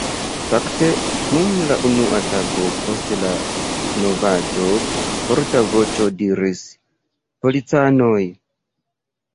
Fakte, dum la unua tago post la novaĵo forta voĉo diris: Policanoj!